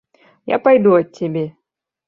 Я пайду ад цябе.